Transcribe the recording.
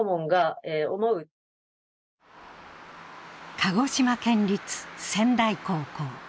鹿児島県立川内高校。